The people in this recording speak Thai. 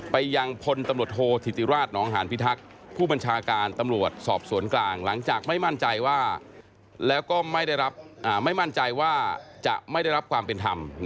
ยังพลตำรวจโทษธิติราชนองหานพิทักษ์ผู้บัญชาการตำรวจสอบสวนกลางหลังจากไม่มั่นใจว่าแล้วก็ไม่มั่นใจว่าจะไม่ได้รับความเป็นธรรม